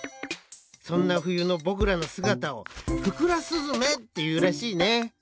そんなふゆのぼくらのすがたを「ふくらすずめ」っていうらしいね。